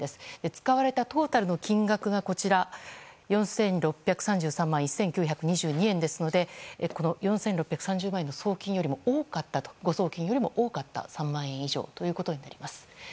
使われたトータルの金額が４６３３万１９２２円ですのでこの４６３０万円の送金よりも多かったと誤送金よりも多かった３万円以上ということになります。